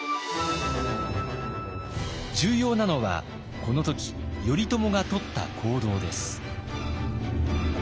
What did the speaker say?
重要なのはこの時頼朝がとった行動です。